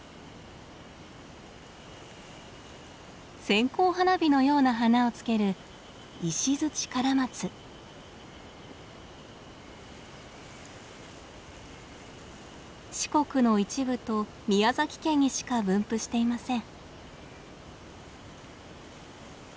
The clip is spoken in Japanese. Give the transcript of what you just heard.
線香花火のような花をつける四国の一部と宮崎県にしか分布していません。